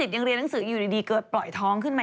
ยังเรียนหนังสืออยู่ดีเกิดปล่อยท้องขึ้นมา